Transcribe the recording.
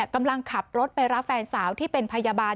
กำลังขับรถไปรับแฟนสาวที่เป็นพยาบาล